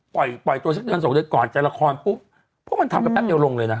ปล่อยปล่อยตัวสักเดือนสองเดือนก่อนจะละครปุ๊บพวกมันทำกันแป๊บเดียวลงเลยนะ